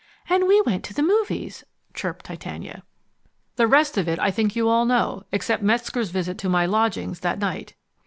"And we went to the movies," chirped Titania. "The rest of it I think you all know except Metzger's visit to my lodgings that night."